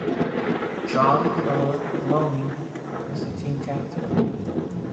John Maloney was the team captain.